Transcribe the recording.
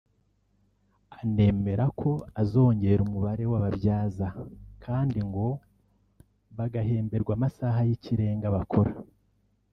anemera ko azongera umubare w’ababyaza kandi ngo bagahemberwa amasaha y’ikirenga bakora